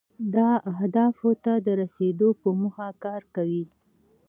دا اهدافو ته د رسیدو په موخه کار کوي.